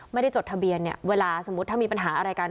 จดทะเบียนเนี่ยเวลาสมมุติถ้ามีปัญหาอะไรกัน